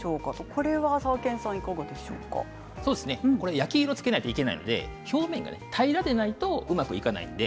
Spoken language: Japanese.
焼き色をつけないといけないので表面が平らじゃないとうまく焼けないです。